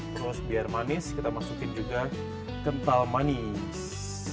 terus biar manis kita masukin juga kental manis